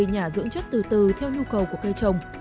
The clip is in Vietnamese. nhả dưỡng chất từ từ theo nhu cầu của cây trồng